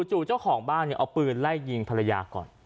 จู่เจ้าของบ้านเอาปืนไล่ยิงภรรยาก่อน